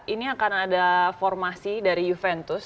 ini akan ada formasi dari juventus